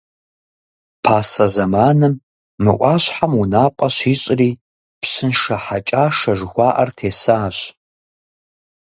Пасэ зэманым, мы ӏуащхьэм унапӏэ щищӏри, Пщыншэ Хьэкӏашэ жыхуаӏэр тесащ.